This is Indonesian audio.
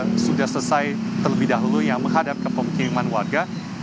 yang sudah selesai terlebih dahulu yang menghadap ke pemukiman warga